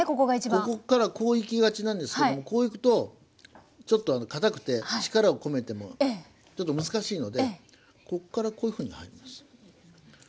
ここからこういきがちなんですけどもこういくとちょっとかたくて力を込めてもちょっと難しいのでこっからこういうふうに入ります。